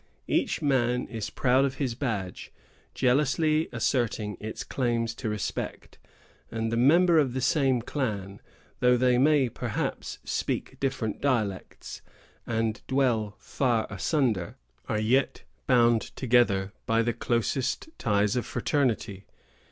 Each man is proud of his badge, jealously asserting its claims to respect; and the members of the same clan, though they may, perhaps, speak different dialects, and dwell far asunder, are yet bound together by the closest ties of fraternity.